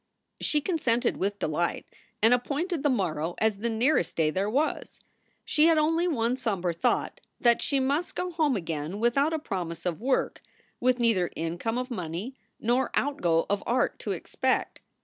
She consented with delight, and appointed the morrow as the nearest day there was. She had only one somber thought that she must go home again without a promise of work, with neither income of money nor outgo of art to expect.